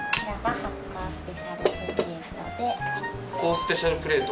発酵スペシャルプレート。